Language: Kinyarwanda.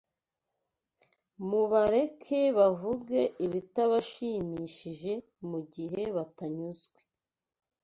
Mubareke bavuge ibitabashimishije mu gihe batanyuzwe